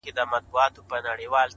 داسي قبـاله مي په وجـود كي ده.!